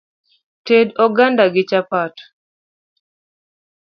Ted oganda gi chapat.